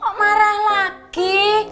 kok marah lagi